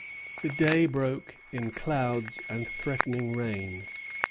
The day broke in clouds and threatening rain.